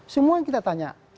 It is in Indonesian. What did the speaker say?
semua yang kita tanya